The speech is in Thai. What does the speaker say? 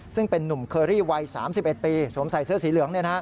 ซึ่งเป็นนุ่มเคอรี่วัย๓๑ปีสวมใส่เสื้อสีเหลือง